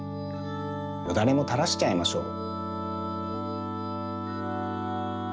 よだれもたらしちゃいましょう。